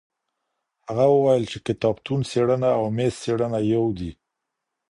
هغه وویل چي کتابتون څېړنه او میز څېړنه یو دي.